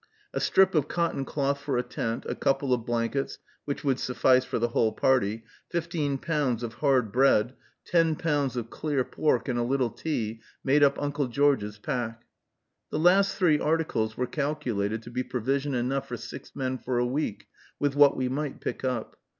A strip of cotton cloth for a tent, a couple of blankets, which would suffice for the whole party, fifteen pounds of hard bread, ten pounds of "clear" pork, and a little tea, made up "Uncle George's" pack. The last three articles were calculated to be provision enough for six men for a week, with what we might pick up.